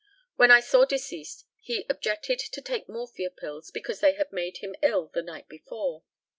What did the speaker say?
When I saw deceased he objected to take morphia pills, because they had made him ill the night before.